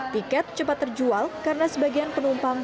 tiket cepat terjual karena sebagian penumpang